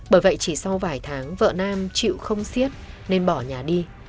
bởi vậy chỉ sau vài tháng vợ nam chịu không xiết nên bỏ nhà đi